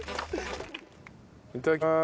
いただきます。